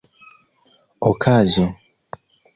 okazo